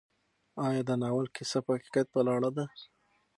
ایا د ناول کیسه په حقیقت ولاړه ده؟